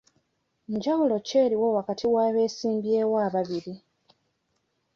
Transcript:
Njawulo ki eriwo wakati w'abeesimbyewo ababiri?